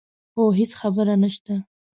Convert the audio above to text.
هو هېڅ خبره نه شته.